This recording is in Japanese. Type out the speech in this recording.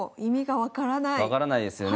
分からないですよね。